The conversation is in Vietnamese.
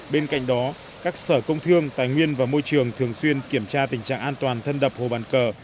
bên cạnh đó các sở công thương tài nguyên và môi trường thường xuyên kiểm tra tình trạng an toàn thân đập hồ bàn cờ